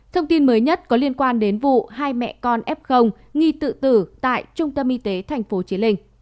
thông tin mới nhất có liên quan đến vụ hai mẹ con f nghi tự tử tại trung tâm y tế tp chí linh